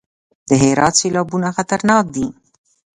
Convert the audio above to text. د هرات سیلابونه خطرناک دي